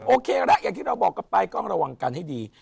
โอเคละอย่างที่เราบอกกันไปก็ระวังกันให้ดี